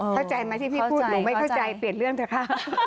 เข้าใจไหมที่พี่พูดหนูไม่เข้าใจเปลี่ยนเรื่องเถอะค่ะ